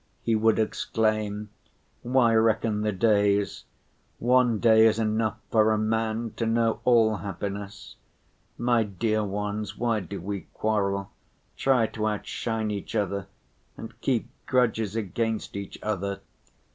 he would exclaim. "Why reckon the days? One day is enough for a man to know all happiness. My dear ones, why do we quarrel, try to outshine each other and keep grudges against each other?